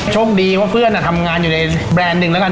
โชคดีว่าเพื่อนทำงานอยู่ในแบรนด์หนึ่งแล้วกัน